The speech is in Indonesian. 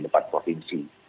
ini adalah empat provinsi